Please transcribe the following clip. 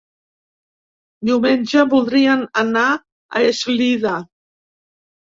Diumenge voldrien anar a Eslida.